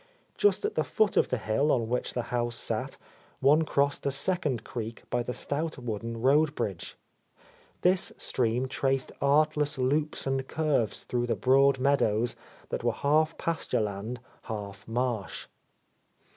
Just at the foot of the hill on which the house sat, one crossed a second creek by the stout wooden road bridge. This stream traced artless loops and curves through the broad meadows that were half pasture land, half marsh.